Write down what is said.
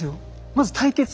まず対決。